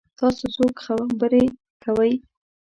تاسو څوک خبرې کوئ؟